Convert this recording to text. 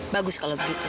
bagus kalau begitu